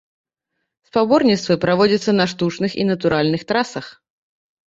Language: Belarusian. Спаборніцтвы праводзяцца на штучных і натуральных трасах.